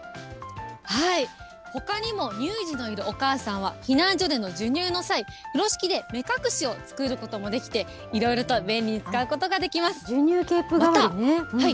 はい、ほかにも乳児のいるお母さんは、避難所での授乳の際、風呂敷で目隠しを作ることもできて、いろいろと便利に使うことが授乳ケープ代わりね？